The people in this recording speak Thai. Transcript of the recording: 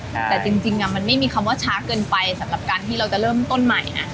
แต่จริงมันไม่มีคำว่าช้าเกินไปสำหรับการที่เราจะเริ่มต้นใหม่นะ